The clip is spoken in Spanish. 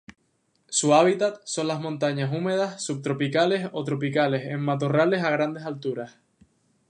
Su hábitat son la montañas húmedas subtropicales o tropicales en matorrales a grandes alturas.